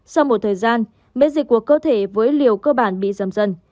sau một thời gian biến dịch của cơ thể với liều cơ bản bị giầm dần